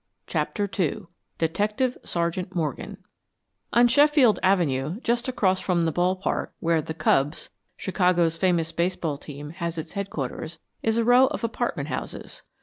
CHAPTER II DETECTIVE SERGEANT MORGAN On Sheffield Avenue, just across from the ball park, where the "Cubs," Chicago's famous baseball team, has its headquarters, is a row of apartment houses.